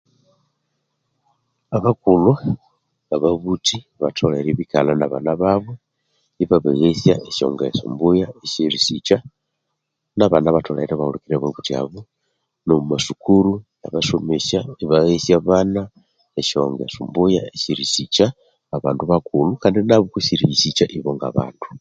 Abakulhu ababuthi batholere ibikalha nabana babo ibabeghesysa esyangeso mbuya esyerisicha nabana batholere ibahulikirira ababuthi abo nomwamasukuru abasomesya batholere ibaghesya abana besyongesu mbuya esyerisicha abandu bakulhu Kandi nabo eriyisicha ibo ngabandu